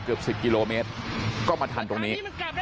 เกือบ๑๐กิโลเมตรก็มาทันตรงนี้